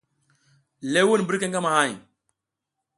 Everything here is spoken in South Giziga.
Lewun birke ngamahay.